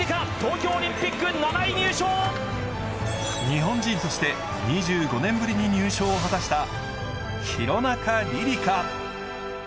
日本人として２５年ぶりに入賞を果たした廣中璃梨佳。